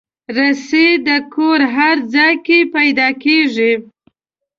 رسۍ د کور هر ځای کې پیدا کېږي.